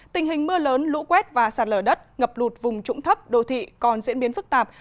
tình hình mưa lớn lũ quét và sạt lở đất ngập lụt vùng trũng thấp đô thị còn diễn biến phức tạp